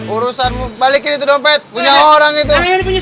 urusanmu balik itu dompet punya orang itu